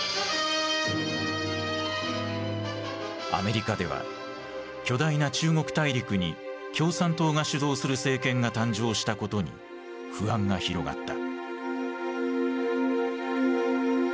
アメリカでは巨大な中国大陸に共産党が主導する政権が誕生したことに不安が広がった。